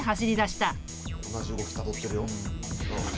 同じ動きたどってるよ。